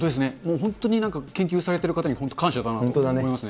本当に研究されてる方に本当、感謝だなと思いますね。